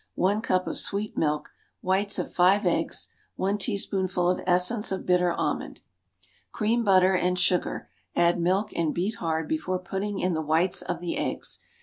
One cup of sweet milk. Whites of five eggs. One teaspoonful of essence of bitter almond. Cream butter and sugar; add milk and beat hard before putting in the whites of the eggs.